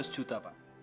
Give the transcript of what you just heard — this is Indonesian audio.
dua ratus juta pak